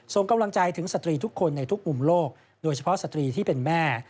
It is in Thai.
ส่งกำลังใจถึงสตรีทุกคนในทุกมุมโลกโดยเฉพาะสตรีที่เป็นแม่